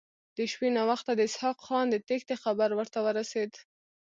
د شپې ناوخته د اسحق خان د تېښتې خبر ورته ورسېد.